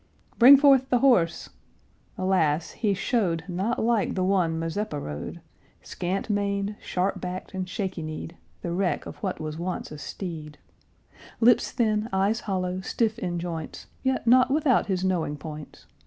"Bring forth the horse!" Alas! he showed Not like the one Mazeppa rode; Scant maned, sharp backed, and shaky kneed, The wreck of what was once a steed, Lips thin, eyes hollow, stiff in joints; Yet not without his knowing points.